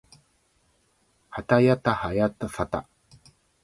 はたやたはやさた